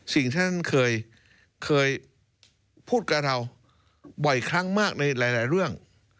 สิ่งที่ท่านเคยพูดกับเราบ่อยครั้งมากในหลายเรื่อง